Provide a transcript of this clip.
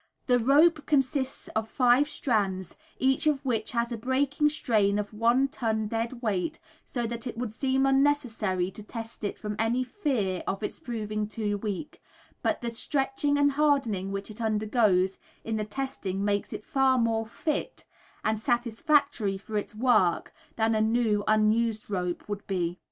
The rope consists of 5 strands, each of which has a breaking strain of one ton dead weight, so that it would seem unnecessary to test it from any fear of its proving too weak, but the stretching and hardening which it undergoes in the testing makes it far more "fit" and satisfactory for its work than a new, unused rope would be.